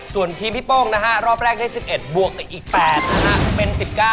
ส่วนทีมพี่โป้งนะฮะรอบแรกได้๑๑บวกอีก๘นะฮะเป็น๑๙